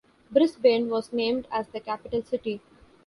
Brisbane was named as the capital city.